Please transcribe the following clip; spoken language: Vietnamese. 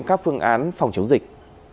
các phương án phòng chống dịch